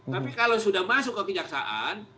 tapi kalau sudah masuk kekejaksaan